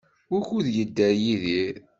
Wukud yedder Yidir?